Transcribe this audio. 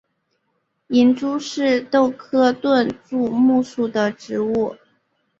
银珠是豆科盾柱木属的植物。